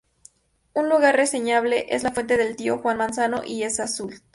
Un lugar reseñable es la Fuente del "Tío Juan Manzano" y el Azud.